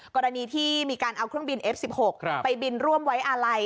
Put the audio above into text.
กรณีที่มีการเอาเครื่องบินเอฟ๑๖ไปบินร่วมไว้อาลัย